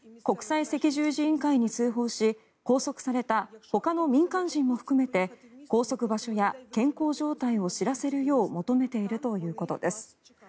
国際赤十字委員会に通報し拘束されたほかの民間人も含めて拘束場所や健康状態を知らせるよう求めているということです。